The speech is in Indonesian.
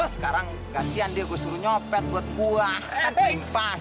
sekarang kasihan dia gua suruh nyopet buat buah kan impas